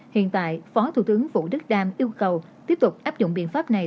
hiện tại phó thủ tướng vũ đức đam yêu cầu tiếp tục áp dụng biện pháp này